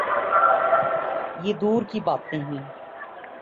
یہ دور کی باتیں ہیں۔